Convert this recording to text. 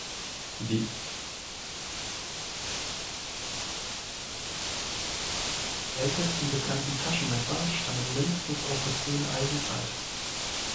Die ältesten bekannten Taschenmesser stammen mindestens aus der frühen Eisenzeit.